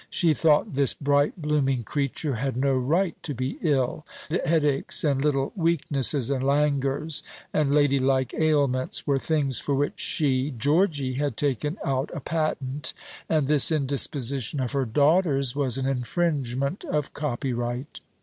She thought this bright blooming creature had no right to be ill. The headaches, and little weaknesses and languors and ladylike ailments, were things for which she (Georgy) had taken out a patent; and this indisposition of her daughter's was an infringement of copyright.